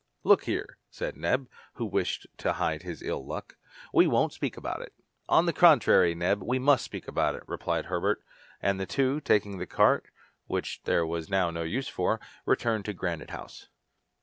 "Look here," said Neb, who wished to hide his ill luck, "we won't speak about it." "On the contrary, Neb we must speak about it," replied Herbert. And the two, taking the cart, which there was now no use for, returned to Granite House.